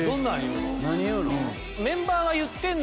何言うの？